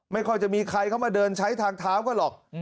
ไม่ค่อยจะมีใครเข้ามาเดินใช้ทางเท้าก็หรอก